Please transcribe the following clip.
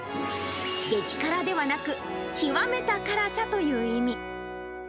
激辛ではなく、極めた辛さという意味。